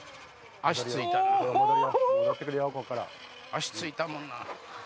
足着いたもんな。